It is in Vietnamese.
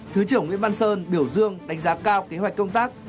thứ trưởng nguyễn văn sơn biểu dương đánh giá cao kế hoạch công tác